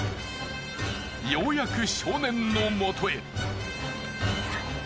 ようやく少年のもとへ。